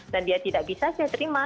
dan dia tidak bisa saya terima